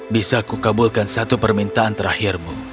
bisa kukabulkan satu permintaan terakhirmu